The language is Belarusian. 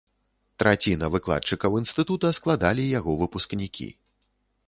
Траціна выкладчыкаў інстытута складалі яго выпускнікі.